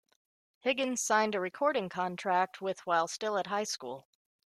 Higgins signed a recording contract with while still at high school.